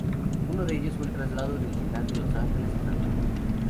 Uno de ellos fue el traslado del final de Los Ángeles a Santa Mónica.